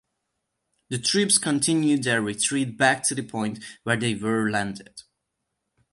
The troops continued their retreat back to the point where they were landed.